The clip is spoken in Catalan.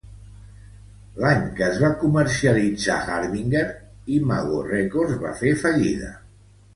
Lany que es va comercialitzar "Harbinger", Imago Records va fer fallida.